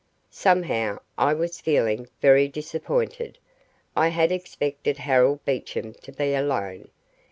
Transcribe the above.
Somehow I was feeling very disappointed. I had expected Harold Beecham to be alone.